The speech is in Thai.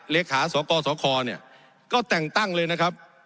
เลขาสกสคเนี่ยก็แต่งตั้งเลยนะครับ